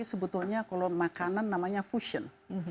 sebetulnya kalau makanan namanya fusion